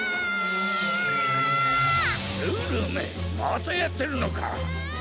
ルルめまたやってるのか！